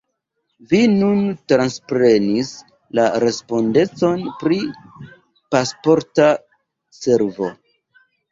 Vi nun transprenis la respondecon pri Pasporta Servo.